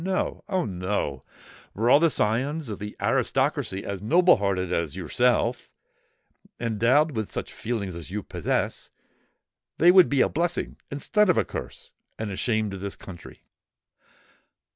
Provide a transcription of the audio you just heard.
No,—Oh! no:—were all the scions of the aristocracy as noble hearted as yourself—endowed with such feelings as you possess, they would be a blessing instead of a curse and a shame to this country.